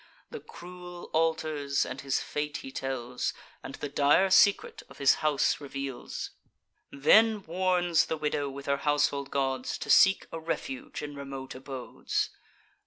The cruel altars and his fate he tells, And the dire secret of his house reveals, Then warns the widow, with her household gods, To seek a refuge in remote abodes.